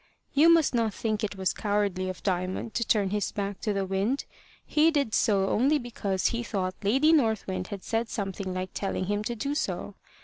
You must not think it was cowardly of Diamond to turn his back to the wind: he did so only because he thought Lady North Wind had said something like telling him to do so.